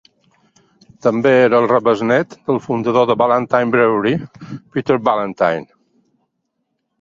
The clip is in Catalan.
També era el rebesnet del fundador de Ballantine Brewery, Peter Ballantine.